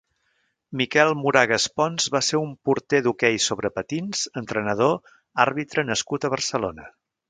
Miquel Moragas Pons va ser un porter d'hoquei sobre patins, entrenador, àrbitre nascut a Barcelona.